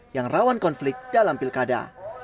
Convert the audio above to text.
yang rawan konflik dalam pilkada